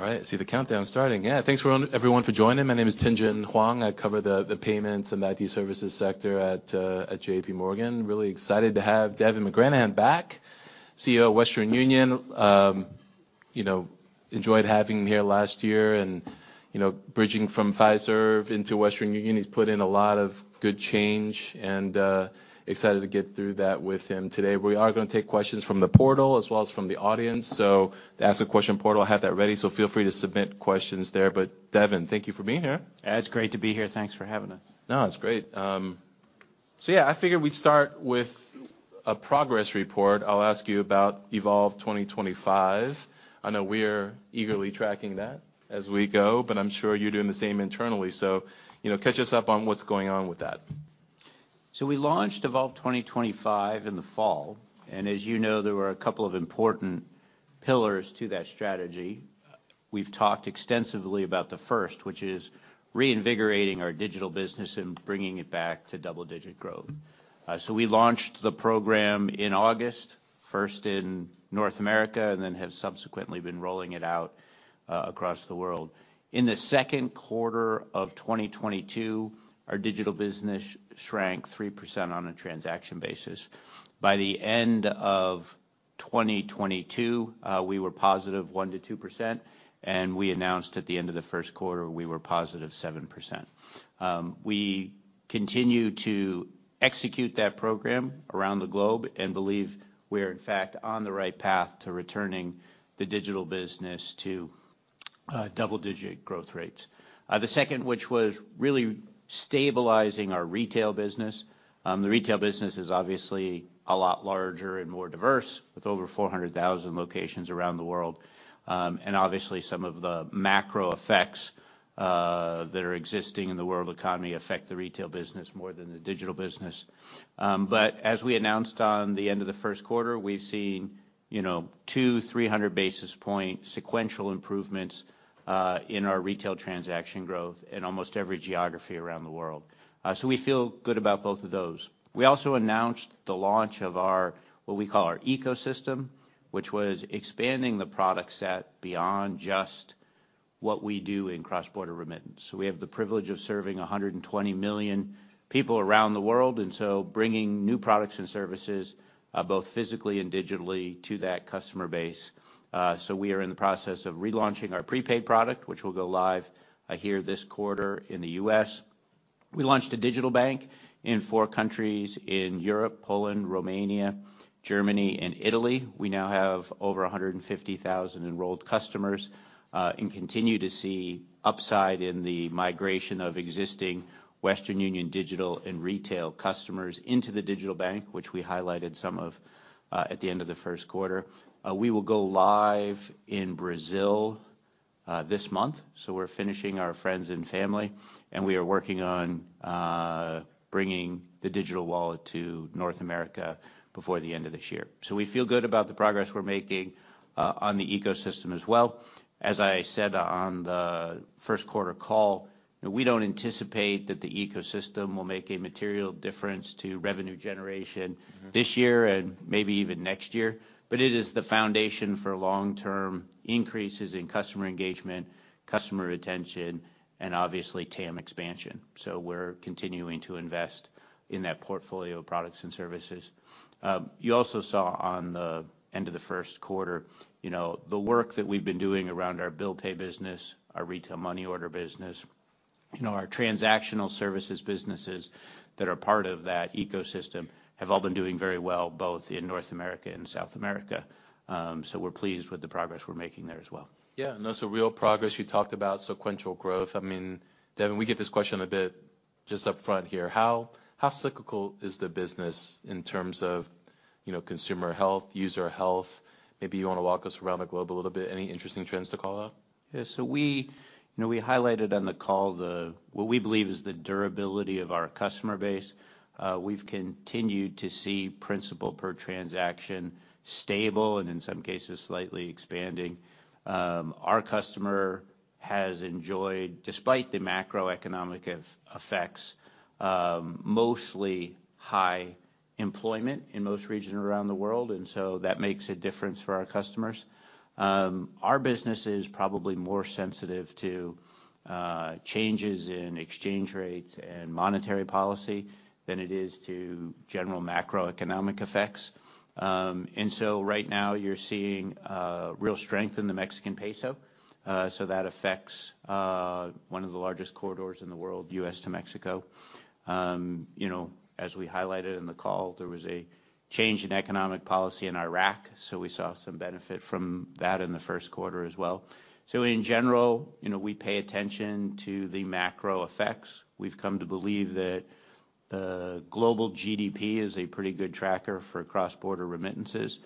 All right. I see the countdown starting. Thanks everyone for joining. My name is Tien-Tsin Huang. I cover the payments and IT services sector at J.P. Morgan. Really excited to have Devin McGranahan back, CEO of Western Union. You know, enjoyed having him here last year and, you know, bridging from Fiserv into Western Union, he's put in a lot of good change, and excited to get through that with him today. We are gonna take questions from the portal as well as from the audience. The Ask a Question portal, have that ready, so feel free to submit questions there. Devin, thank you for being here. Yeah, it's great to be here. Thanks for having us. No, it's great. Yeah, I figured we'd start with a progress report. I'll ask you about Evolve 2025. I know we're eagerly tracking that as we go, but I'm sure you're doing the same internally. You know, catch us up on what's going on with that. We launched Evolve 2025 in the fall, and as you know, there were a couple of important pillars to that strategy. We've talked extensively about the first, which is reinvigorating our digital business and bringing it back to double-digit growth. We launched the program in August, first in North America, and then have subsequently been rolling it out across the world. In the Q2 of 2022, our digital business shrank 3% on a transaction basis. By the end of 2022, we were positive 1%-2%, and we announced at the end of the Q1 we were positive 7%. We continue to execute that program around the globe and believe we're in fact on the right path to returning the digital business to double-digit growth rates. The second, which was really stabilizing our retail business. The retail business is obviously a lot larger and more diverse with over 400,000 locations around the world. Obviously some of the macro effects that are existing in the world economy affect the retail business more than the digital business. As we announced on the end of the Q1, we've seen 200-300 basis point sequential improvements in our retail transaction growth in almost every geography around the world. We feel good about both of those. We also announced the launch of our, what we call our ecosystem, which was expanding the product set beyond just what we do in cross-border remittance. We have the privilege of serving 120 million people around the world, bringing new products and services both physically and digitally to that customer base. We are in the process of relaunching our prepaid product, which will go live here this quarter in the U.S. We launched a digital bank in four countries in Europe, Poland, Romania, Germany and Italy. We now have over 150,000 enrolled customers and continue to see upside in the migration of existing Western Union digital and retail customers into the digital bank, which we highlighted some of at the end of the Q1. We will go live in Brazil this month, so we're finishing our friends and family, and we are working on bringing the digital wallet to North America before the end of this year. We feel good about the progress we're making on the ecosystem as well. As I said on the Q1 call, we don't anticipate that the ecosystem will make a material difference to revenue generation. ...this year and maybe even next year, but it is the foundation for long-term increases in customer engagement, customer retention, and obviously TAM expansion. We're continuing to invest in that portfolio of products and services. You also saw on the end of the Q1, you know, the work that we've been doing around our bill pay business, our retail money order business, you know, our transactional services businesses that are part of that ecosystem have all been doing very well, both in North America and South America. We're pleased with the progress we're making there as well. Yeah. No, real progress. You talked about sequential growth. I mean, Devin, we get this question a bit just upfront here. How cyclical is the business in terms of, you know, consumer health, user health? Maybe you wanna walk us around the globe a little bit. Any interesting trends to call out? We, you know, we highlighted on the call the what we believe is the durability of our customer base. We've continued to see principal per transaction stable and in some cases slightly expanding. Our customer has enjoyed, despite the macroeconomic effects, mostly high employment in most regions around the world, that makes a difference for our customers. Our business is probably more sensitive to changes in exchange rates and monetary policy than it is to general macroeconomic effects. Right now you're seeing real strength in the Mexican peso, so that affects one of the largest corridors in the world, U.S. to Mexico. You know, as we highlighted in the call, there was a change in economic policy in Iraq, so we saw some benefit from that in the Q1 as well. In general, you know, we pay attention to the macro effects. We've come to believe that the global GDP is a pretty good tracker for cross-border remittances.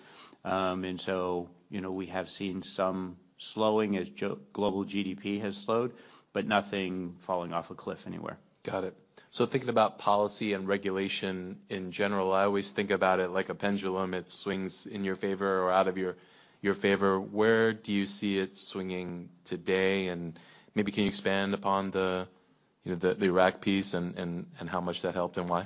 You know, we have seen some slowing as global GDP has slowed, but nothing falling off a cliff anywhere. Got it. Thinking about policy and regulation in general, I always think about it like a pendulum. It swings in your favor or out of your favor. Where do you see it swinging today? Maybe can you expand upon the, you know, the Iraq piece and how much that helped and why?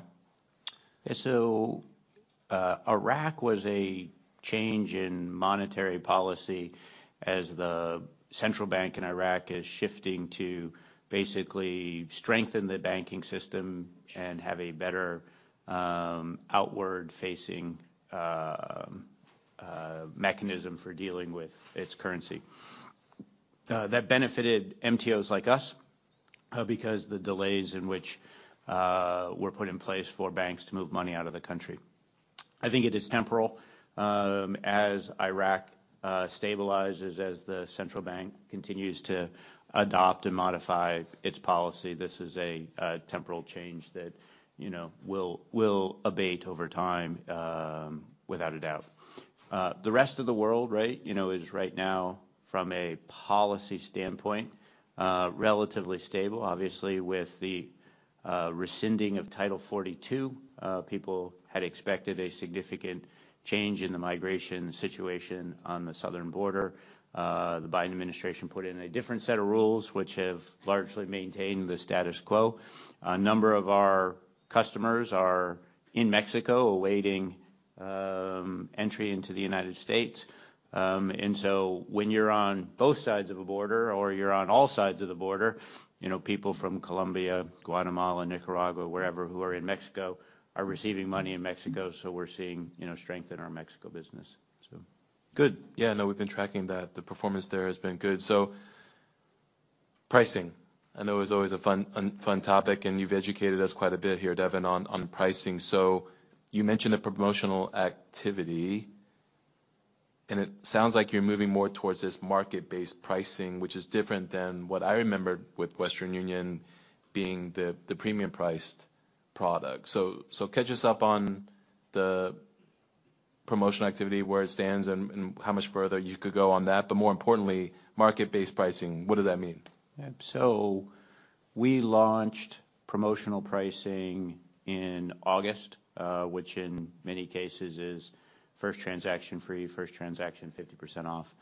Iraq was a change in monetary policy as the central bank in Iraq is shifting to basically strengthen the banking system and have a better outward-facing mechanism for dealing with its currency. That benefited MTOs like us because the delays in which were put in place for banks to move money out of the country. I think it is temporal. As Iraq stabilizes, as the central bank continues to adopt and modify its policy, this is a temporal change that, you know, will abate over time without a doubt. The rest of the world, right? You know, is right now from a policy standpoint relatively stable. Obviously, with the rescinding of Title 42, people had expected a significant change in the migration situation on the southern border. The Biden administration put in a different set of rules, which have largely maintained the status quo. A number of our customers are in Mexico awaiting entry into the United States. When you're on both sides of a border, or you're on all sides of the border, you know, people from Colombia, Guatemala, Nicaragua, wherever, who are in Mexico, are receiving money in Mexico, so we're seeing, you know, strength in our Mexico business. Good. Yeah, no, we've been tracking that. The performance there has been good. Pricing, I know is always a fun topic, and you've educated us quite a bit here, Devin, on pricing. You mentioned the promotional activity, and it sounds like you're moving more towards this market-based pricing, which is different than what I remember with Western Union being the premium priced product. Catch us up on the promotion activity, where it stands and how much further you could go on that. More importantly, market-based pricing, what does that mean? We launched promotional pricing in August, which in many cases is first transaction free, first transaction 50% off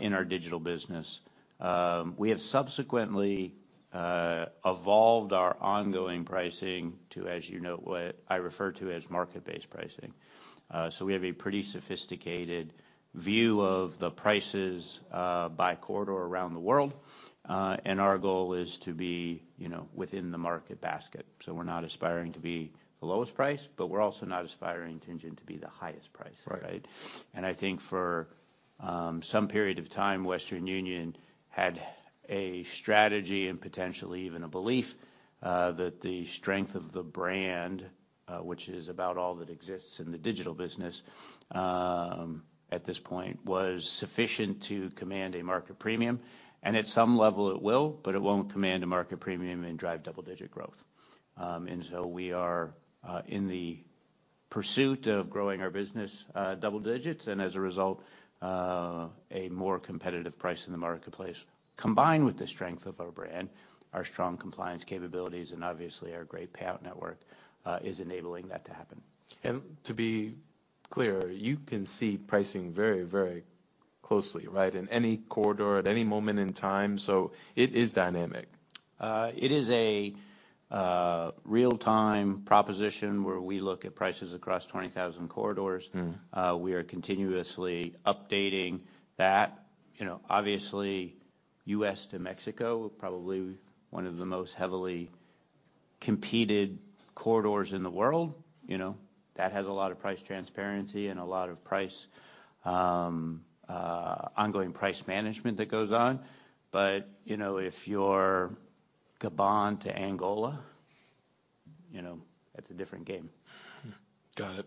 in our digital business. We have subsequently evolved our ongoing pricing to, as you know, what I refer to as market-based pricing. We have a pretty sophisticated view of the prices by corridor around the world. Our goal is to be, you know, within the market basket. We're not aspiring to be the lowest price, but we're also not aspiring to be the highest price. Right. Right? I think for some period of time, Western Union had a strategy and potentially even a belief that the strength of the brand, which is about all that exists in the digital business, at this point, was sufficient to command a market premium. At some level it will, but it won't command a market premium and drive double-digit growth. We are in the pursuit of growing our business double digits and as a result, a more competitive price in the marketplace. Combined with the strength of our brand, our strong compliance capabilities, and obviously our great payout network, is enabling that to happen. To be clear, you can see pricing very, very closely, right? In any corridor at any moment in time, so it is dynamic. It is a real-time proposition where we look at prices across 20,000 corridors. We are continuously updating that. You know, obviously, U.S. to Mexico, probably one of the most heavily competed corridors in the world. You know, that has a lot of price transparency and a lot of price, ongoing price management that goes on. You know, if you're Gabon to Angola, you know, that's a different game. Got it.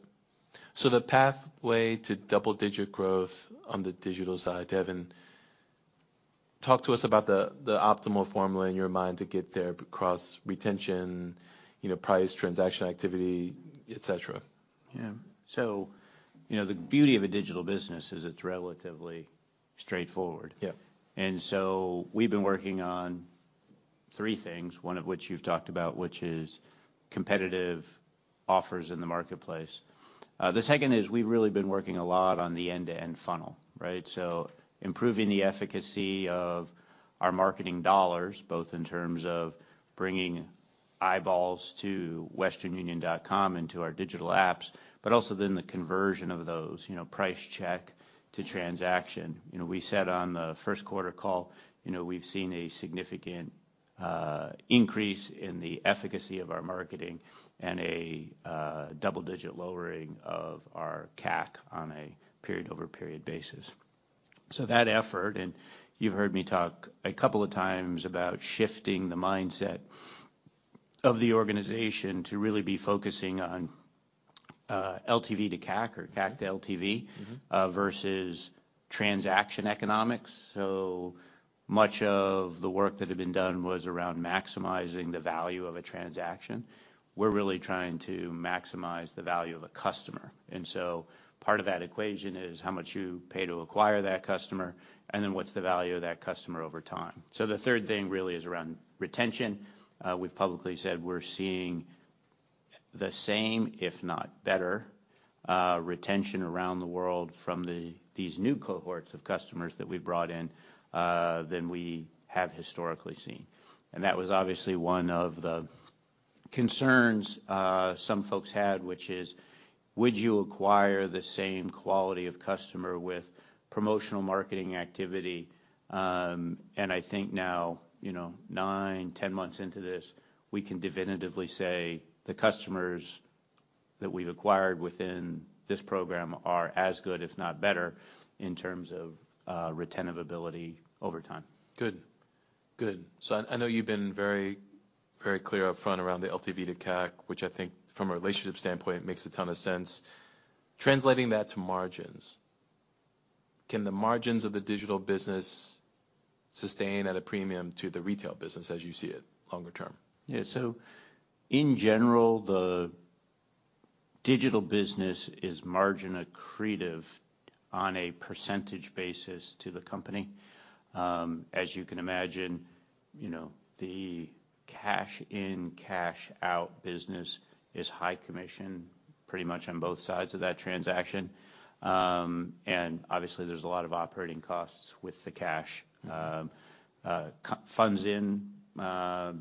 The pathway to double-digit growth on the digital side, Devin, talk to us about the optimal formula in your mind to get there across retention, you know, price, transaction activity, et cetera? Yeah. You know, the beauty of a digital business is it's relatively straightforward. Yeah. We've been working on three things, one of which you've talked about, which is competitive offers in the marketplace. The second is we've really been working a lot on the end-to-end funnel, right? Improving the efficacy of our marketing dollars, both in terms of bringing eyeballs to westernunion.com and to our digital apps, but also then the conversion of those, you know, price check to transaction. You know, we said on the Q1 call, you know, we've seen a significant increase in the efficacy of our marketing and a double-digit lowering of our CAC on a period-over-period basis. That effort, and you've heard me talk a couple of times about shifting the mindset of the organization to really be focusing on LTV to CAC or CAC to LTV.... versus transaction economics. Much of the work that had been done was around maximizing the value of a transaction. We're really trying to maximize the value of a customer. Part of that equation is how much you pay to acquire that customer, and then what's the value of that customer over time. The third thing really is around retention. We've publicly said we're seeing the same, if not better retention around the world from these new cohorts of customers that we brought in, than we have historically seen. That was obviously one of the concerns some folks had, which is: Would you acquire the same quality of customer with promotional marketing activity? I think now, you know, 9 months, 10 months into this, we can definitively say the customers that we've acquired within this program are as good, if not better, in terms of retentiveness ability over time. Good. I know you've been very, very clear upfront around the LTV to CAC, which I think from a relationship standpoint makes a ton of sense. Translating that to margins, can the margins of the digital business sustain at a premium to the retail business as you see it longer term? In general, the digital business is margin accretive on a percentage basis to the company. As you can imagine, you know, the cash-in, cash-out business is high commission pretty much on both sides of that transaction. Obviously, there's a lot of operating costs with the cash. Funds in,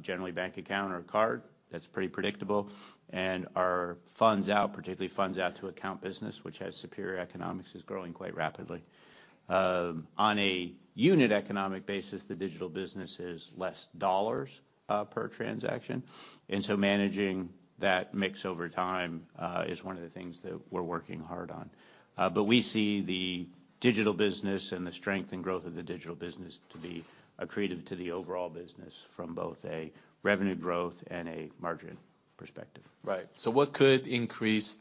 generally bank account or card, that's pretty predictable. Our funds out, particularly funds out to account business, which has superior economics, is growing quite rapidly. On a unit economic basis, the digital business is less dollars per transaction. Managing that mix over time is one of the things that we're working hard on. We see the digital business and the strength and growth of the digital business to be accretive to the overall business from both a revenue growth and a margin perspective. Right. What could increase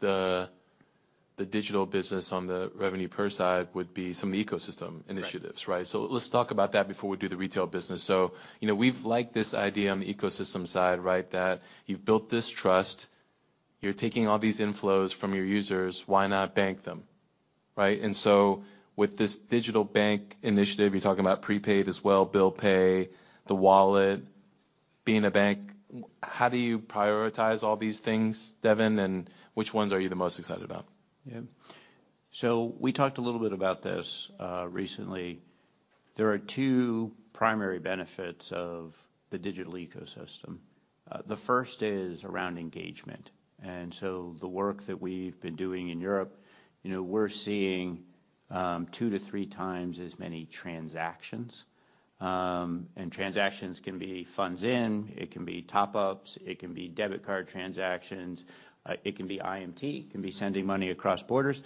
the digital business on the revenue per side would be some of the ecosystem initiatives, right? Right. Let's talk about that before we do the retail business. You know, we've liked this idea on the ecosystem side, right? That you've built this trust, you're taking all these inflows from your users, why not bank them, right? With this digital bank initiative, you're talking about prepaid as well, bill pay, the wallet being a bank, how do you prioritize all these things, Devin, and which ones are you the most excited about? Yeah. We talked a little bit about this recently. There are two primary benefits of the digital ecosystem. The first is around engagement. The work that we've been doing in Europe, you know, we're seeing two to three times as many transactions. Transactions can be funds in, it can be top ups, it can be debit card transactions, it can be IMT, it can be sending money across borders.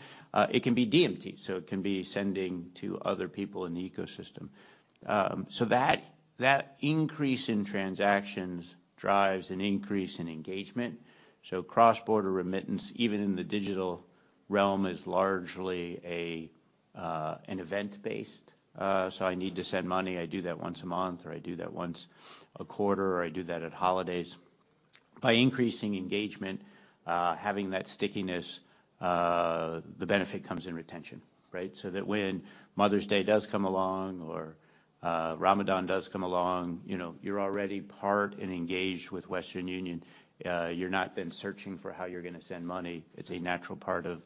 It can be DMT, it can be sending to other people in the ecosystem. That increase in transactions drives an increase in engagement. Cross-border remittance, even in the digital realm, is largely an event based. I need to send money, I do that once a month, or I do that once a quarter, or I do that at holidays. By increasing engagement, having that stickiness, the benefit comes in retention, right? When Mother's Day does come along or Ramadan does come along, you know, you're already part and engaged with Western Union, you're not then searching for how you're gonna send money. It's a natural part of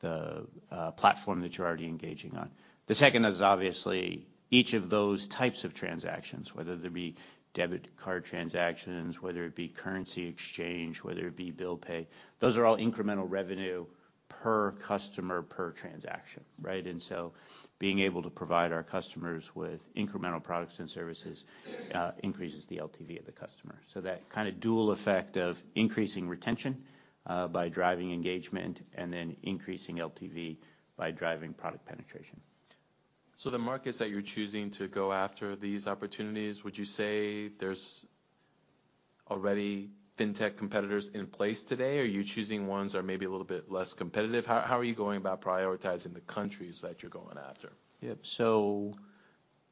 the platform that you're already engaging on. The second is obviously each of those types of transactions, whether they be debit card transactions, whether it be currency exchange, whether it be bill pay, those are all incremental revenue per customer per transaction, right? Being able to provide our customers with incremental products and services, increases the LTV of the customer. Kinda dual effect of increasing retention, by driving engagement and then increasing LTV by driving product penetration. The markets that you're choosing to go after these opportunities, would you say there's already fintech competitors in place today? Are you choosing ones that are maybe a little bit less competitive? How are you going about prioritizing the countries that you're going after? Yeah.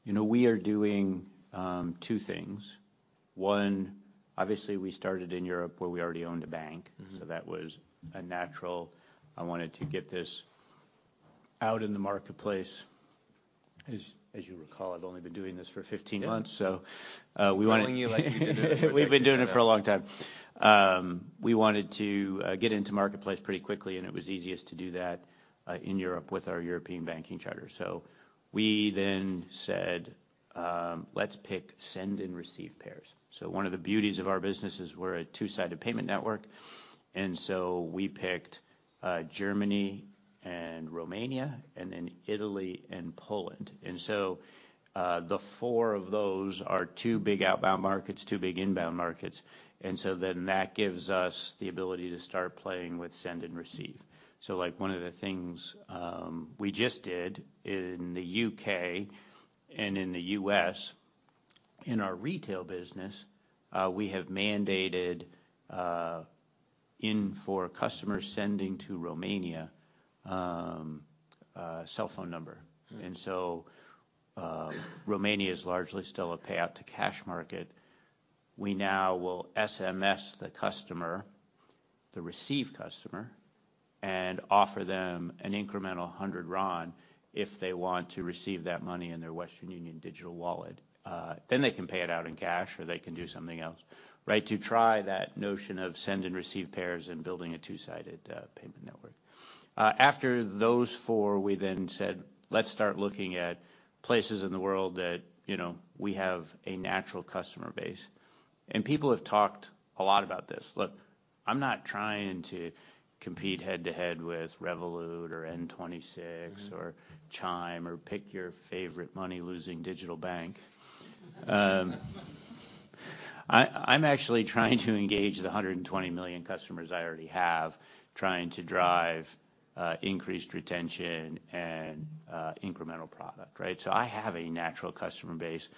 You know, we are doing two things. one, obviously we started in Europe where we already owned a bank. That was a natural, "I want it to get this out in the marketplace." As you recall, I've only been doing this for 15 months. Knowing you like you've been doing it for a very long time. We've been doing it for a long time. We wanted to get into marketplace pretty quickly, and it was easiest to do that in Europe with our European banking charter. We said, "Let's pick send and receive pairs." One of the beauties of our business is we're a two-sided payment network. We picked Germany and Romania, then Italy and Poland. The four of those are two big outbound markets, two big inbound markets. That gives us the ability to start playing with send and receive. One of the things we just did in the U.K. and in the U.S. in our retail business, we have mandated in for a customer sending to Romania, a cell phone number. Romania is largely still a pay out to cash market. We now will SMS the customer, the receive customer, and offer them an incremental 100 RON if they want to receive that money in their Western Union digital wallet. They can pay it out in cash, or they can do something else, right? To try that notion of send and receive pairs and building a two-sided payment network. After those four, we said, "Let's start looking at places in the world that, you know, we have a natural customer base." People have talked a lot about this. Look, I'm not trying to compete head to head with Revolut or N26 or Chime, or pick your favorite money-losing digital bank. I'm actually trying to engage the 120 million customers I already have, trying to drive increased retention and incremental product, right? I have a natural customer base.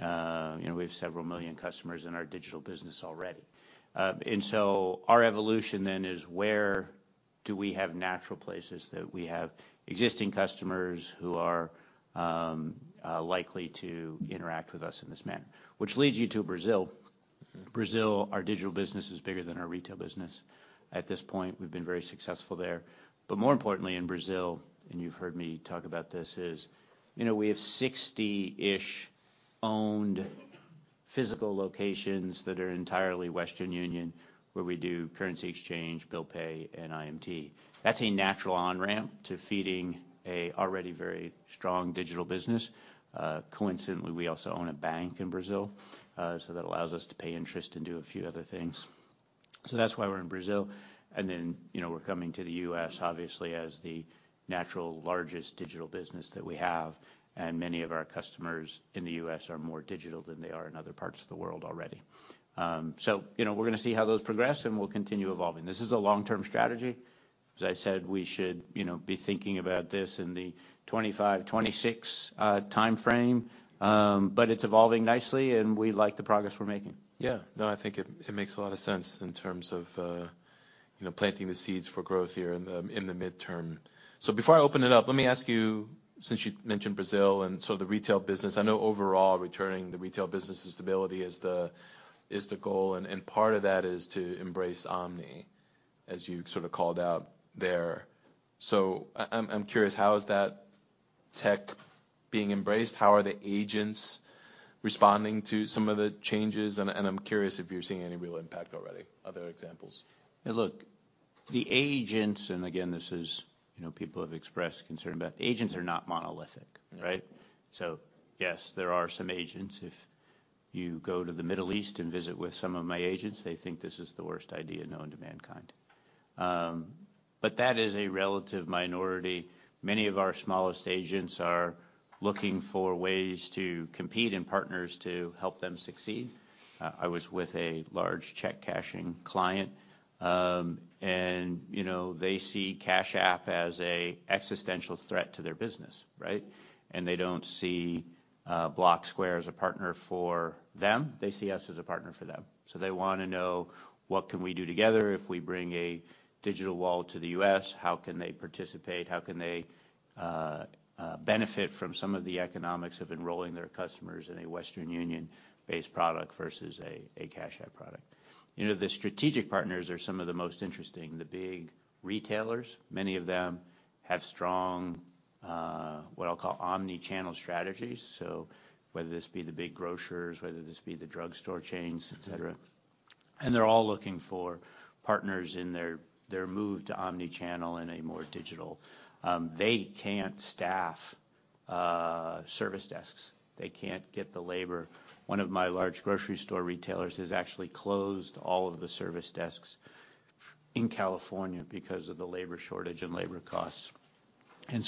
You know, we have several million customers in our digital business already. Our evolution then is where do we have natural places that we have existing customers who are likely to interact with us in this manner? Which leads you to Brazil. Brazil, our digital business is bigger than our retail business at this point. We've been very successful there. More importantly in Brazil, and you've heard me talk about this, is, you know, we have 60-ish owned physical locations that are entirely Western Union, where we do currency exchange, bill pay, and IMT. That's a natural on-ramp to feeding a already very strong digital business. Coincidentally, we also own a bank in Brazil, that allows us to pay interest and do a few other things. That's why we're in Brazil. You know, we're coming to the US obviously as the natural largest digital business that we have, and many of our customers in the US are more digital than they are in other parts of the world already. You know, we're gonna see how those progress, and we'll continue evolving. This is a long-term strategy. As I said, we should, you know, be thinking about this in the 2025, 2026 timeframe. It's evolving nicely, and we like the progress we're making. Yeah. No, I think it makes a lot of sense in terms of, you know, planting the seeds for growth here in the, in the midterm. Before I open it up, let me ask you, since you mentioned Brazil, the retail business, I know overall returning the retail business' stability is the, is the goal, part of that is to embrace omnichannel, as you sort of called out there. I'm curious, how is that tech being embraced? How are the agents responding to some of the changes? I'm curious if you're seeing any real impact already. Are there examples? Look, the agents, people have expressed concern about. The agents are not monolithic, right? Yes, there are some agents, if you go to the Middle East and visit with some of my agents, they think this is the worst idea known to mankind. That is a relative minority. Many of our smallest agents are looking for ways to compete and partners to help them succeed. I was with a large check cashing client, they see Cash App as a existential threat to their business, right? They don't see Block, Inc. as a partner for them. They see us as a partner for them. They wanna know what can we do together if we bring a digital wall to the US, how can they participate? How can they benefit from some of the economics of enrolling their customers in a Western Union-based product versus a Cash App product. You know, the strategic partners are some of the most interesting. The big retailers, many of them have strong, what I'll call omni-channel strategies, so whether this be the big grocers, whether this be the drugstore chains, et cetera. They're all looking for partners in their move to omni-channel in a more digital. They can't staff service desks. They can't get the labor. One of my large grocery store retailers has actually closed all of the service desks in California because of the labor shortage and labor costs.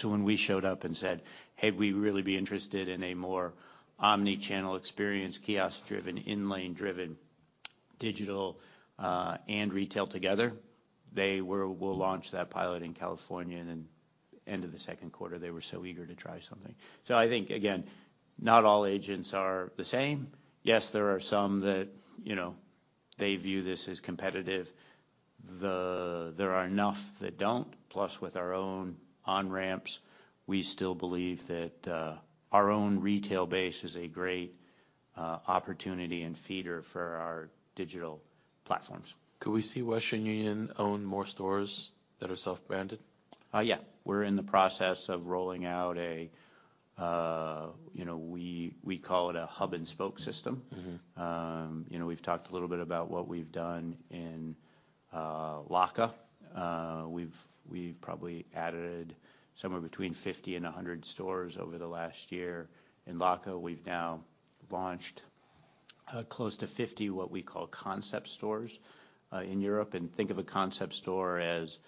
When we showed up and said, "Hey, we'd really be interested in a more omni-channel experience, kiosk-driven, in-lane-driven, digital and retail together," we'll launch that pilot in California in end of the 2nd quarter. They were so eager to try something. I think, again, not all agents are the same. Yes, there are some that, you know, they view this as competitive. There are enough that don't. Plus, with our own on-ramps, we still believe that our own retail base is a great opportunity and feeder for our digital platforms. Could we see Western Union own more stores that are self-branded? Yeah. We're in the process of rolling out a, you know, we call it a hub and spoke system. You know, we've talked a little bit about what we've done in LACA. We've probably added somewhere between 50 and 100 stores over the last year in LACA. We've now launched close to 50 what we call concept stores in Europe. Think of a concept store as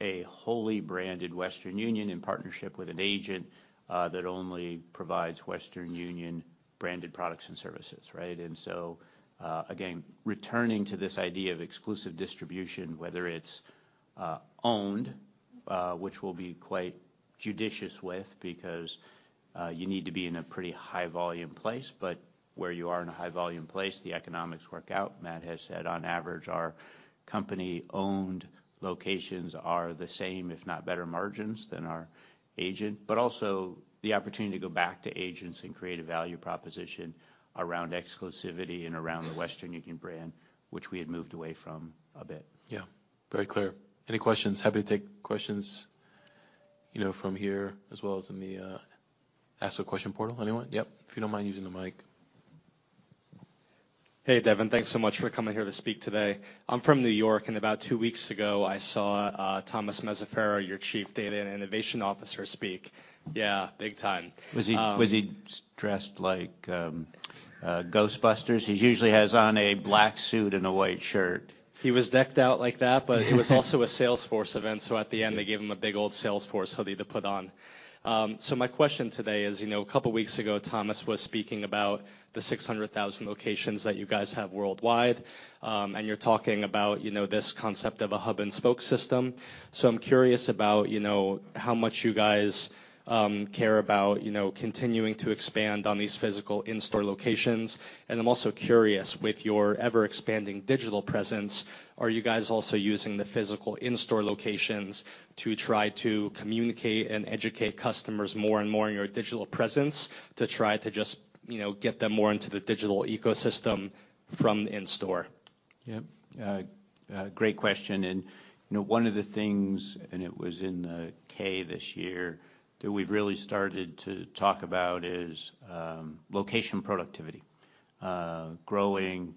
a wholly branded Western Union in partnership with an agent that only provides Western Union branded products and services, right? Again, returning to this idea of exclusive distribution, whether it's owned, which we'll be quite judicious with, because you need to be in a pretty high volume place, but where you are in a high volume place, the economics work out. Matt has said, on average, our company-owned locations are the same, if not better margins than our agent. Also the opportunity to go back to agents and create a value proposition around exclusivity and around the Western Union brand, which we had moved away from a bit. Yeah. Very clear. Any questions? Happy to take questions, you know, from here as well as in the ask a question portal. Anyone? Yep. If you don't mind using the mic. Hey, Devin, thanks so much for coming here to speak today. I'm from New York, and about 2 weeks ago, I saw, Thomas Mazzaferro, your Chief Data and Innovation Officer, speak. Yeah, big time. Was he dressed like Ghostbusters? He usually has on a black suit and a white shirt. He was decked out like that, but it was also a Salesforce event, so at the end they gave him a big old Salesforce hoodie to put on. My question today is, you know, a couple of weeks ago, Thomas was speaking about the 600,000 locations that you guys have worldwide. You're talking about, you know, this concept of a hub and spoke system. I'm curious about, you know, how much you guys care about, you know, continuing to expand on these physical in-store locations. I'm also curious, with your ever-expanding digital presence, are you guys also using the physical in-store locations to try to communicate and educate customers more and more on your digital presence to try to just, you know, get them more into the digital ecosystem from in-store? Yep. Great question. You know, one of the things, and it was in the K this year, that we've really started to talk about is location productivity. Growing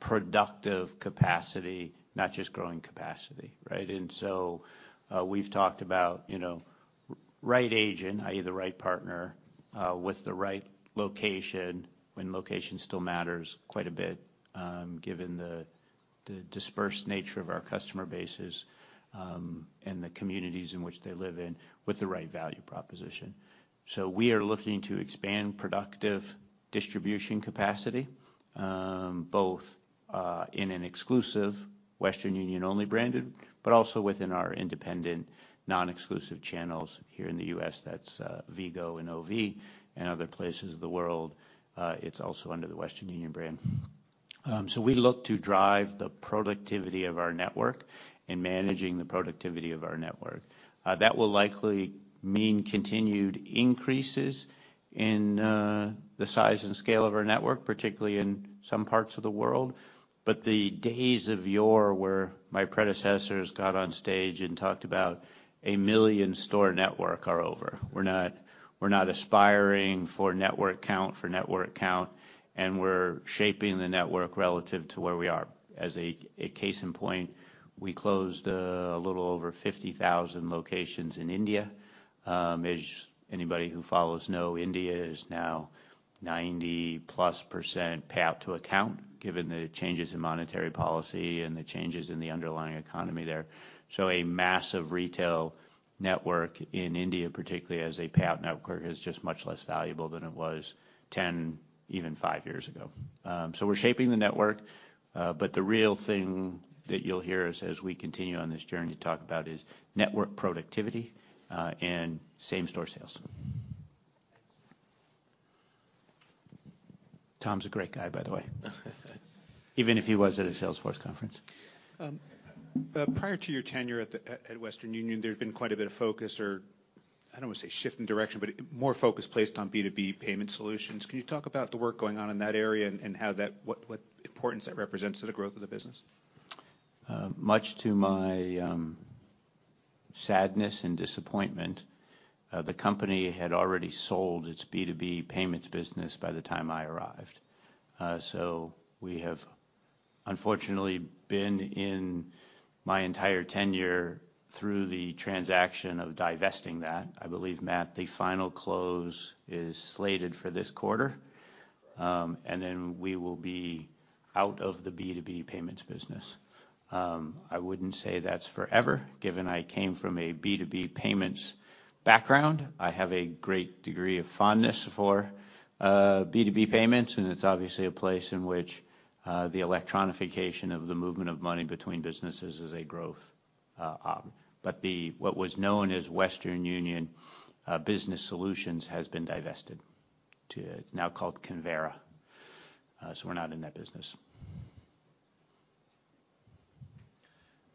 productive capacity, not just growing capacity, right? We've talked about, you know, right agent, i.e. the right partner, with the right location, when location still matters quite a bit, given the dispersed nature of our customer bases, and the communities in which they live in with the right value proposition. We are looking to expand productive distribution capacity, both in an exclusive Western Union only branded, but also within our independent, non-exclusive channels here in the U.S., that's Vigo and OV. In other places of the world, it's also under the Western Union brand. We look to drive the productivity of our network and managing the productivity of our network. That will likely mean continued increases in the size and scale of our network, particularly in some parts of the world. The days of yore where my predecessors got on stage and talked about a million store network are over. We're not aspiring for network count for network count, and we're shaping the network relative to where we are. As a case in point, we closed a little over 50,000 locations in India. As anybody who follows know, India is now 90%+ P2A, given the changes in monetary policy and the changes in the underlying economy there. A massive retail network in India, particularly as a PAP network, is just much less valuable than it was 10, even 5 years ago. We're shaping the network, but the real thing that you'll hear as we continue on this journey to talk about is network productivity, and same store sales. Thanks. Tom's a great guy, by the way. Even if he was at a Salesforce conference. Prior to your tenure at Western Union, there'd been quite a bit of focus or, I don't wanna say shift in direction, but more focus placed on B2B payment solutions. Can you talk about the work going on in that area and how that importance that represents to the growth of the business? Much to my sadness and disappointment, the company had already sold its B2B payments business by the time I arrived. We have unfortunately been in, my entire tenure, through the transaction of divesting that. I believe, Matt, the final close is slated for this quarter, we will be out of the B2B payments business. I wouldn't say that's forever, given I came from a B2B payments background. I have a great degree of fondness for B2B payments, and it's obviously a place in which the electronification of the movement of money between businesses is a growth op. The, what was known as Western Union Business Solutions has been divested to... It's now called Convera. We're not in that business.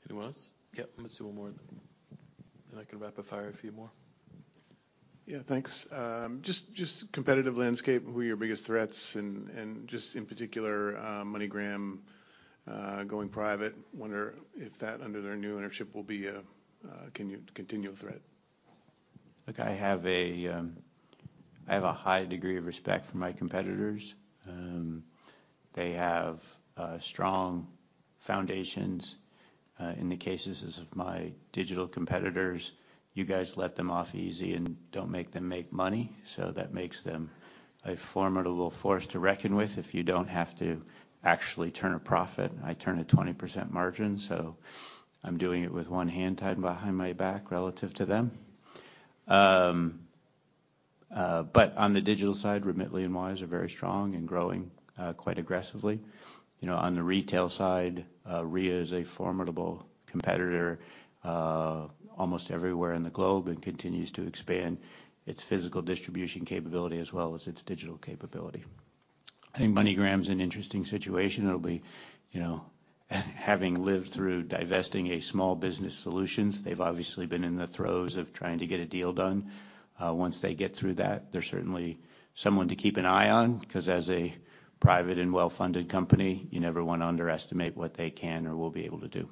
Anyone else? Yeah, let's do one more of them. I can rapid fire a few more. Yeah, thanks. Just competitive landscape, who are your biggest threats and just in particular, MoneyGram, going private, wonder if that under their new ownership will be a continued, continual threat? I have a high degree of respect for my competitors. They have strong foundations. In the cases as of my digital competitors, you guys let them off easy and don't make them make money. That makes them a formidable force to reckon with if you don't have to actually turn a profit. I turn a 20% margin. I'm doing it with one hand tied behind my back relative to them. On the digital side, Remitly and Wise are very strong and growing quite aggressively. You know, on the retail side, Ria is a formidable competitor almost everywhere in the globe and continues to expand its physical distribution capability as well as its digital capability. I think MoneyGram's an interesting situation. It'll be, you know, having lived through divesting a small business solutions, they've obviously been in the throes of trying to get a deal done. Once they get through that, they're certainly someone to keep an eye on, 'cause as a private and well-funded company, you never wanna underestimate what they can or will be able to do.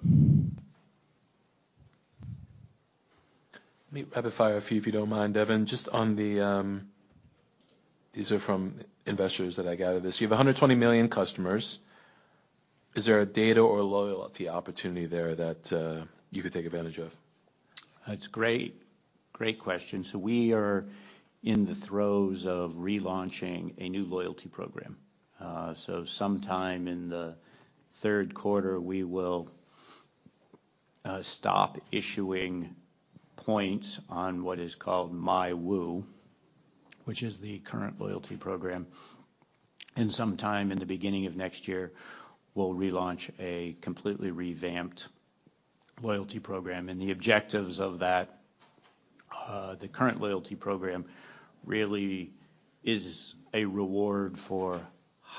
Let me rapid fire a few, if you don't mind, Devin. Just on the. These are from investors that I gathered this. You have 120 million customers. Is there a data or loyalty opportunity there that you could take advantage of? That's great question. We are in the throes of relaunching a new loyalty program. Sometime in the Q3 we will stop issuing points on what is called My WU, which is the current loyalty program. Sometime in the beginning of next year, we'll relaunch a completely revamped loyalty program. The objectives of that, the current loyalty program really is a reward for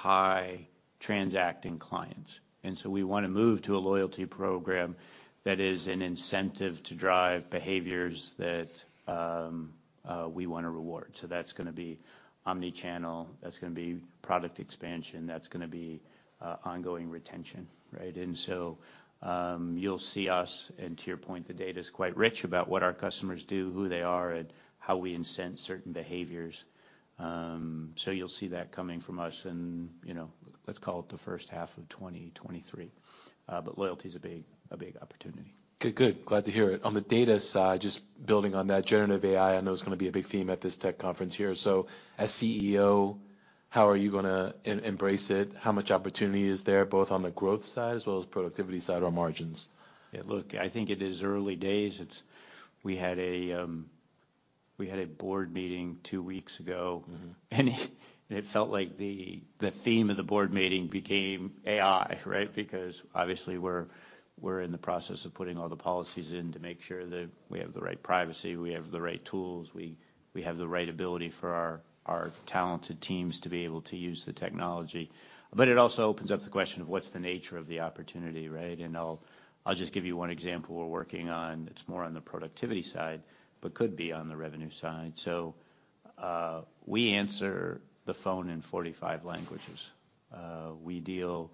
high-transacting clients. So we wanna move to a loyalty program that is an incentive to drive behaviors that we wanna reward. So that's gonna be omni-channel, that's gonna be product expansion, that's gonna be ongoing retention, right? So you'll see us, and to your point, the data's quite rich about what our customers do, who they are, and how we incent certain behaviors. You'll see that coming from us in, you know, let's call it the H1 of 2023. Loyalty's a big, a big opportunity. Okay. Good. Glad to hear it. On the data side, just building on that, generative AI, I know is gonna be a big theme at this tech conference here. As CEO, how are you gonna embrace it? How much opportunity is there, both on the growth side as well as productivity side or margins? Yeah, look, I think it is early days. We had a board meeting 2 weeks ago. It felt like the theme of the board meeting became AI, right? Because obviously we're in the process of putting all the policies in to make sure that we have the right privacy, we have the right tools, we have the right ability for our talented teams to be able to use the technology. It also opens up the question of what's the nature of the opportunity, right? I'll just give you one example we're working on. It's more on the productivity side, but could be on the revenue side. We answer the phone in 45 languages. We deal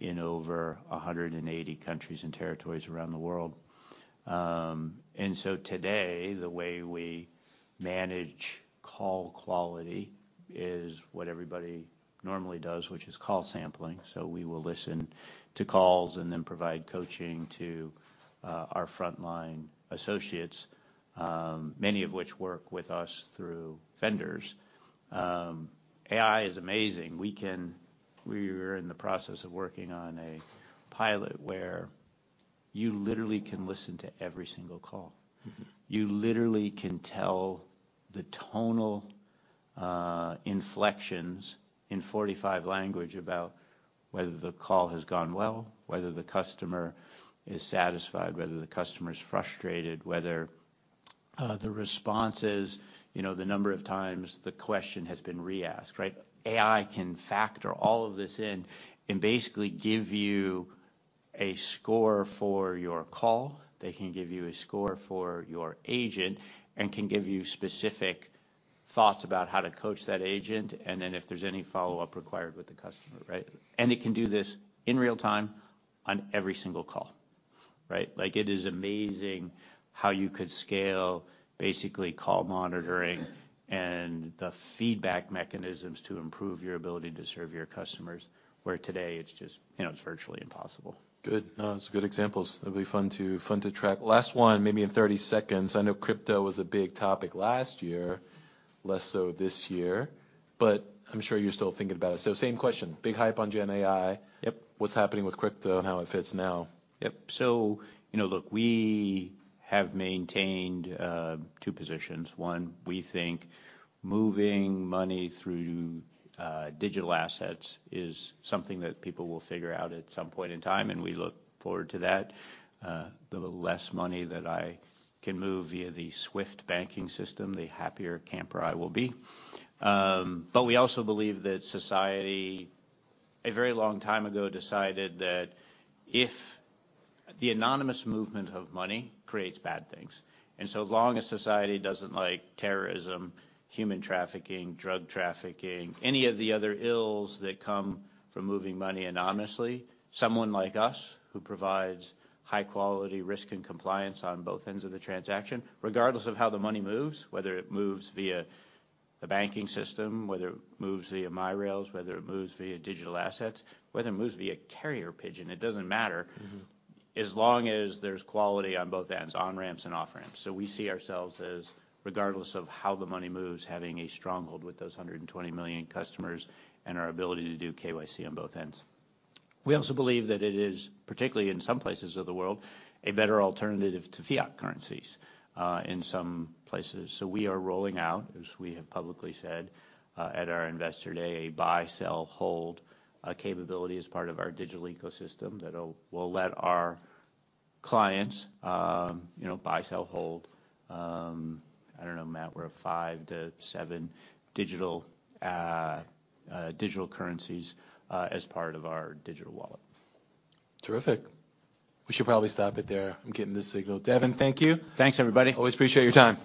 in over 180 countries and territories around the world. Today, the way we manage call quality is what everybody normally does, which is call sampling. We will listen to calls and then provide coaching to our frontline associates, many of which work with us through vendors. AI is amazing. We're in the process of working on a pilot where you literally can listen to every single call. You literally can tell the tonal inflections in 45 language about whether the call has gone well, whether the customer is satisfied, whether the customer is frustrated, whether the response is, you know, the number of times the question has been re-asked, right? AI can factor all of this in and basically give you a score for your call. They can give you a score for your agent, and can give you specific thoughts about how to coach that agent, and then if there's any follow-up required with the customer, right? It can do this in real time on every single call, right? Like, it is amazing how you could scale, basically call monitoring and the feedback mechanisms to improve your ability to serve your customers, where today it's just, you know, it's virtually impossible. Good. No, it's good examples. It'll be fun to track. Last one, maybe in 30 seconds. I know crypto was a big topic last year, less so this year, but I'm sure you're still thinking about it. Same question, big hype on gen AI. Yep. What's happening with crypto and how it fits now? Yep. You know, look, we have maintained two positions. One, we think moving money through digital assets is something that people will figure out at some point in time, and we look forward to that. The less money that I can move via the Swift banking system, the happier camper I will be. We also believe that society, a very long time ago, decided that if the anonymous movement of money creates bad things, and so long as society doesn't like terrorism, human trafficking, drug trafficking, any of the other ills that come from moving money anonymously, someone like us who provides high quality risk and compliance on both ends of the transaction, regardless of how the money moves, whether it moves via the banking system, whether it moves via rails, whether it moves via digital assets, whether it moves via carrier pigeon, it doesn't matter. as long as there's quality on both ends, on-ramps and off-ramps. We see ourselves as, regardless of how the money moves, having a stronghold with those 120 million customers and our ability to do KYC on both ends. We also believe that it is, particularly in some places of the world, a better alternative to fiat currencies in some places. We are rolling out, as we have publicly said, at our Investor Day, a buy, sell, hold capability as part of our digital ecosystem that will let our clients, you know, buy, sell, hold, I don't know, Matt, we're a 5-7 digital currencies as part of our digital wallet. Terrific. We should probably stop it there. I'm getting the signal. Devin, thank you. Thanks, everybody. Always appreciate your time.